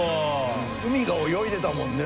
海が泳いでたもんね。